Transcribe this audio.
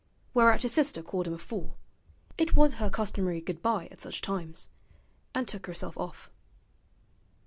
Whereat his sister called him a fool (it was her customary goodbye at such times), and took herself off.